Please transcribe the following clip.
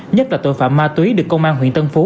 nhất là tội phạm ma túy được công an huyện tân phú